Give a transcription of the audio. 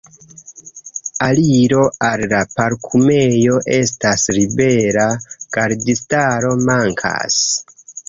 Aliro al la parkumejo estas libera, gardistaro mankas.